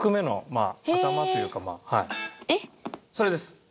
それです。